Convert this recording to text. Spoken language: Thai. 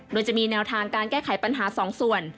โดยจะมีแนวทางการแก้ไขปัญหา๒ส่วน